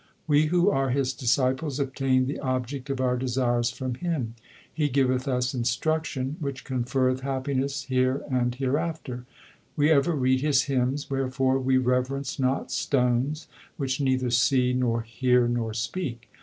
We who are his disciples obtain the object of our desires from him. He giveth us instruction, which conferreth hap piness here and hereafter. We ever read his hymns, wherefore we reverence not stones which neither see, nor hear, nor speak.